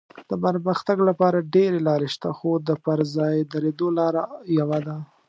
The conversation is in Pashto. د پرمختګ لپاره ډېرې لارې شته خو د پر ځای درېدو لاره یوه ده.